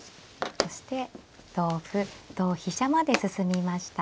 そして同歩同飛車まで進みました。